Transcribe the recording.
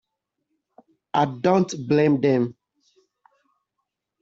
I don't blame them.